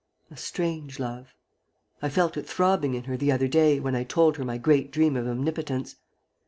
A strange love! I felt it throbbing in her the other day, when I told her my great dream of omnipotence.